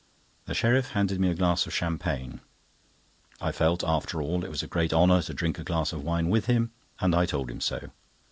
The sheriff handed me a glass of champagne. I felt, after all, it was a great honour to drink a glass of wine with him, and I told him so.